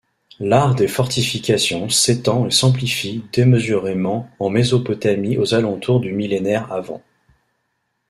L'art des fortifications s'étend et s'amplifie démesurément en Mésopotamie aux alentours du millénaire av.